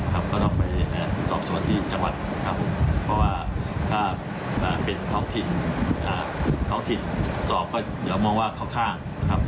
ก็ต้องไปสอบสวนที่จังหวัดครับเพราะว่าถ้าเป็นท้องถิ่นท้องถิ่นสอบก็อย่ามองว่าข้างครับ